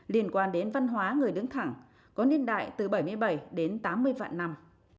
liên quan đến văn hóa người đứng thẳng có niên đại từ bảy mươi bảy đến tám mươi vạn năm